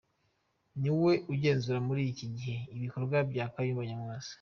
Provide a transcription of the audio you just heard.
Niwe ugenzura muri iki gihe ibikorwa bya Kayumba Nyamwasa.